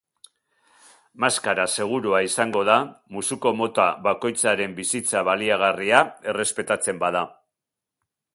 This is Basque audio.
Maskara segurua izango da musuko mota bakoitzaren bizitza baliagarria errespetatzen bada.